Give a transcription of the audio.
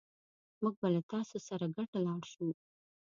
موږ به له تاسو سره ګډ لاړ شو